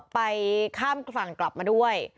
ไปข้ามฝั่งกลับมาด้วย